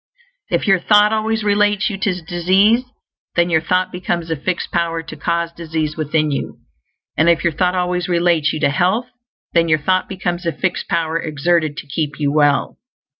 If your thought always relates you to disease, then your thought becomes a fixed power to cause disease within you; and if your thought always relates you to health, then your thought becomes a fixed power exerted to keep you well.